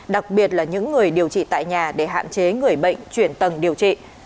đặc biệt là những người điều trị tại nhà để hạn chế người bệnh chuyển tầng điều trị